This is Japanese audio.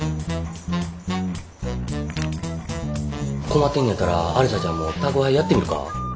困ってんのやったらアリサちゃんも宅配やってみるか？